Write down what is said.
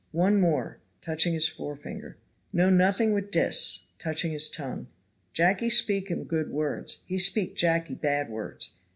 One more (touching his forefinger). Know nothing with dis (touching his tongue). Jacky speak him good words, he speak Jacky bad words.